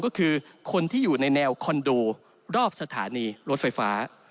ก็คือคนที่อยู่ในแนวคอนโดรอบสถานีรถไฟฟ้า